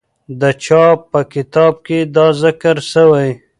د چا په کتاب کې دا ذکر سوی؟